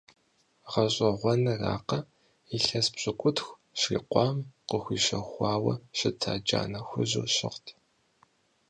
ГъэщӀэгъуэныракъэ, илъэс пщыкӀутху щрикъуам къыхуищэхуауэ щыта джанэ хужьыр щыгът.